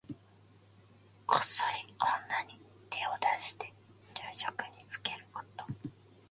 こっそり女に手を出して女色にふけること。